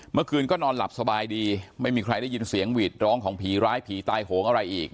เมื่อคืนก็นอนหลับสบายดีไม่มีใครได้ยินเสียงหวีดร้องของผีร้ายผีตายโหงอะไรอีก